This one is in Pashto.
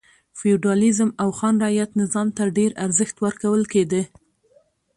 فیوډالېزم او خان رعیت نظام ته ډېر ارزښت ورکول کېده.